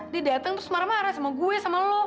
dia datang terus marah marah sama gue sama lo